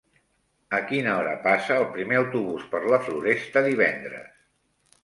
A quina hora passa el primer autobús per la Floresta divendres?